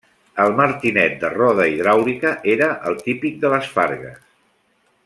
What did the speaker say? El martinet de roda hidràulica era el típic de les fargues.